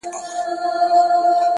تېره جنازه سوله اوس ورا ته مخامخ يمه~